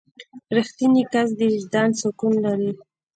• رښتینی کس د وجدان سکون لري.